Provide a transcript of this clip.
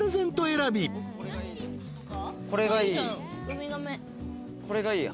これがいいや。